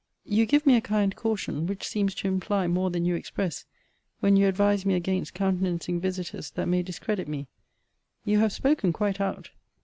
You give me a kind caution, which seems to imply more than you express, when you advise me against countenancing visiters that may discredit me. You have spoken quite out.